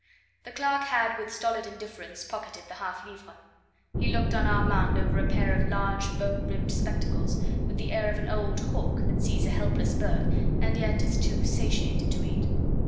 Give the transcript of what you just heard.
The clerk had with stolid indifference pocketed the half livre; he looked on Armand over a pair of large bone rimmed spectacles, with the air of an old hawk that sees a helpless bird and yet is too satiated to eat.